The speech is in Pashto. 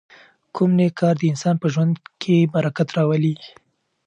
کوم نېک کار د انسان په ژوند کې برکت راولي؟